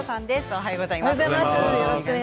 おはようございます。